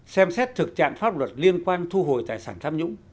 xem xét thực trạng pháp luật liên quan thu hồi tài sản tham nhũng